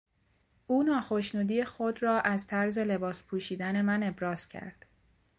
او ناخشنودی خود را از طرز لباس پوشیدن من ابراز کرد.